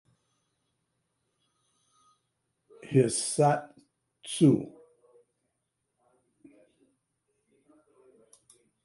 Hissatsu!